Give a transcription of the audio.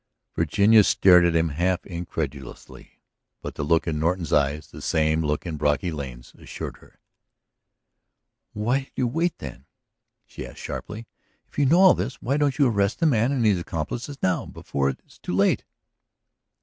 Virginia stared at him, half incredulously. But the look in Norton's eyes, the same look in Brocky Lane's, assured her. "Why do you wait then?" she asked sharply. "If you know all this, why don't you arrest the man and his accomplices now? Before it is too late?"